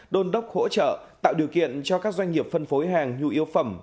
đôn đốc hỗ trợ tạo điều kiện cho các doanh nghiệp phân phối hàng nhu yếu phẩm